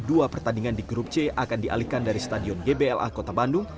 dua pertandingan di grup c akan dialihkan dari stadion gbla kota bandung